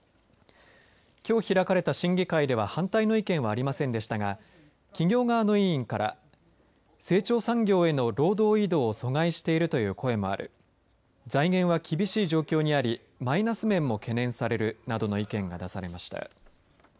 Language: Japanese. きょう開かれた審議会では反対の意見はありませんでしたが企業側の委員から成長産業への労働移動を阻害しているという声もある財源は厳しい状況にありマイナス面も懸念されるなどの意見が出されました。